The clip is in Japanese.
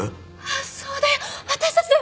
そうだよ私たちだよ！